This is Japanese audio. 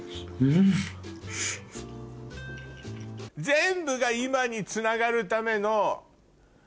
全部が今につながるための。